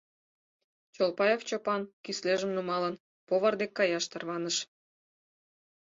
Чолпаев Чопан, кӱслежым нумалын, повар дек каяш тарваныш.